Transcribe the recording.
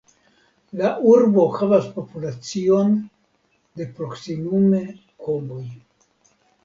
La urbo havas populacion de proksimume homoj.